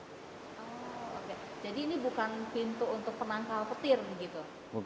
jadi ini bukan pintu untuk menangkap petir begitu